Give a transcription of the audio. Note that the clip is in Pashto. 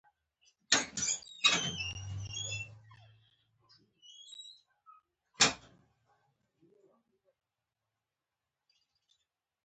چې فارغ شې بیا به څه کړې